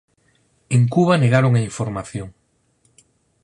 En Cuba negaron a información.